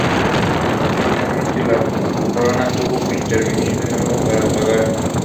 Finalmente, la Corona tuvo que intervenir de nuevo para que pagara.